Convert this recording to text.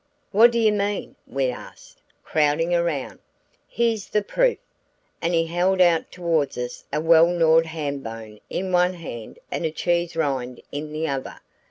"What do you mean?" we asked, crowding around. "Here's the proof," and he held out towards us a well gnawed ham bone in one hand and a cheese rind in the other.